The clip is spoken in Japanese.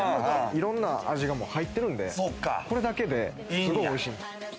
いろんな味がもう入ってるんで、これだけで、すごいおいしい。